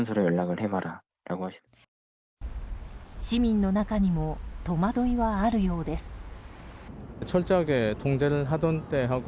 市民の中にも戸惑いはあるようです。